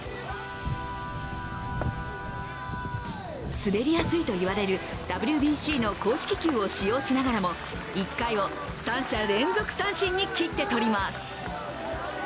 滑りやすいといわれるＷＢＣの公式球を使用しながらも１回を三者連続三振に切ってとります。